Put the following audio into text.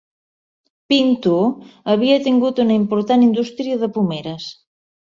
Pinto havia tingut una important indústria de pomeres.